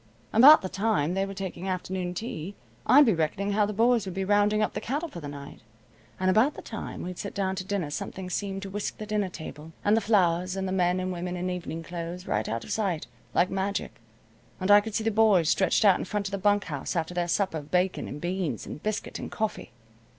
About the time they were taking afternoon tea, I'd be reckoning how the boys would be rounding up the cattle for the night, and about the time we'd sit down to dinner something seemed to whisk the dinner table, and the flowers, and the men and women in evening clothes right out of sight, like magic, and I could see the boys stretched out in front of the bunk house after their supper of bacon, and beans, and biscuit, and coffee.